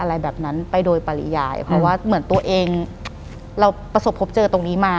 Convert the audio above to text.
หลังจากนั้นเราไม่ได้คุยกันนะคะเดินเข้าบ้านอืม